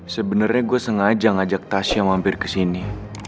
sebenernya gue sengaja ngajak tasya mampir kesini